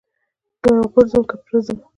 که غورځم که پرځم.